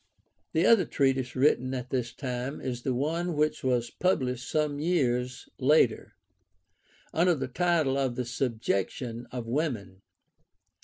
The other treatise written at this time is the one which was published some years later under the title of _The Subjection of Women.